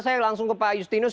saya langsung ke pak justinus